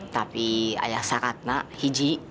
tapi ayah syarat nak hiji